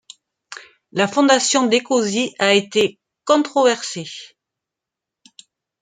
La fondation d'Ecosy a été controversée.